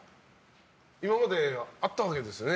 今まで、あったわけですよね。